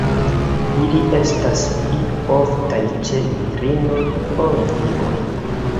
Ili estas pli oftaj ĉe virinoj ol viroj.